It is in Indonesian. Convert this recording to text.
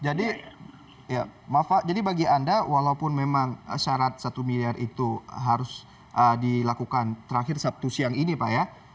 ya maaf pak jadi bagi anda walaupun memang syarat satu miliar itu harus dilakukan terakhir sabtu siang ini pak ya